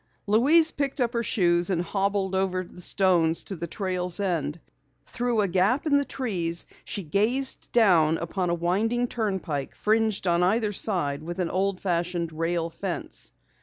Louise picked up her shoes and hobbled over the stones to the trail's end. Through a gap in the trees she gazed down upon a winding turnpike fringed on either side with an old fashioned rail fence.